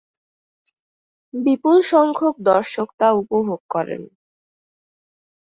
বিপুল সংখ্যক দর্শক তা উপভোগ করেন।